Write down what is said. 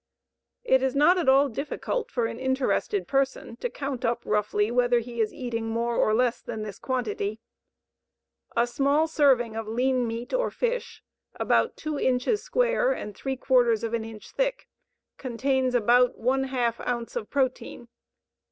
It is not at all difficult for an interested person to count up roughly whether he is eating more or less than this quantity. A small serving of lean meat or fish, about two inches square and three quarters of an inch thick, contains about one half ounce of protein.